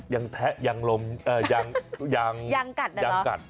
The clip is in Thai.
ยังแทะยังลมยังกัด